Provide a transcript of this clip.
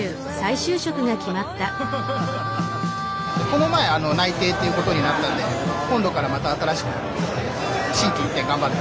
この前内定っていう事になったんで今度からまた新しく心機一転頑張る。